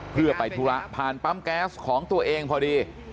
เพื่อไปธุระผ่านปั๊มแก๊สของตัวเองพอดี